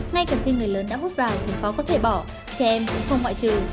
ngay cả khi người lớn đã hút vào thì phó có thể bỏ trẻ em cũng không ngoại trừ